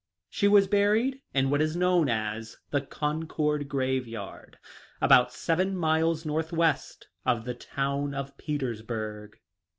She was buried in what is known as the Concord grave yard, about seven miles north west of the town of Petersburg.